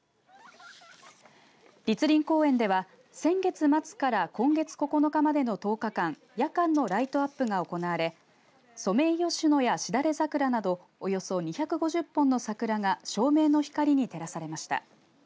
栗林公園では先月末から今月９日までの１０日間夜間のライトアップが行われソメイヨシノやシダレザクラなどおよそ２５０本の桜が照明の光に照らされました。